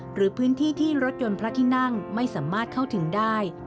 หรือพื้นที่ที่รถยนต์พระที่นั่งไม่สามารถเข้าถึงได้